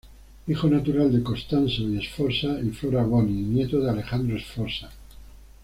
Hijo natural de Costanzo I Sforza y Flora Boni, y nieto de Alejandro Sforza.